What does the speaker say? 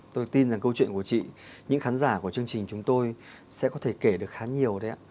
tôi tin rằng câu chuyện của chị những khán giả của chương trình chúng tôi sẽ có thể kể được khá nhiều đấy ạ